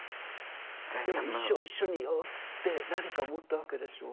でも一生一緒にいようって何か思ったわけでしょ？